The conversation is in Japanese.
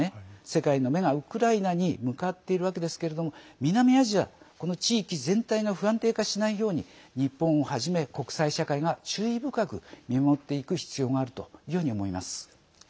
世界の目がウクライナに向かっているわけですけれども南アジア、地域全体が不安定化しないように日本をはじめ国際社会が注意深く見守っていく必要があるというふうに思います。